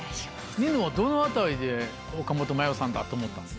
ニノはどのあたりで岡本真夜さんだと思ったの？